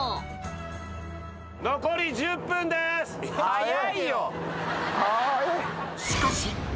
・早いよ。